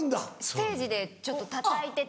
ステージでちょっとたたいてて。